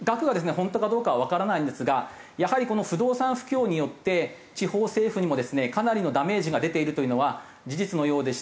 本当かどうかはわからないんですがやはりこの不動産不況によって地方政府にもですねかなりのダメージが出ているというのは事実のようでして。